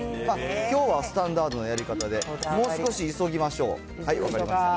きょうはスタンダードなやり方で、もう少し急ぎましょう、分かりました。